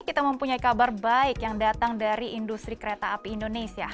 kita mempunyai kabar baik yang datang dari industri kereta api indonesia